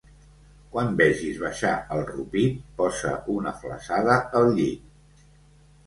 Quan vegis baixar el rupit, posa una flassada al llit.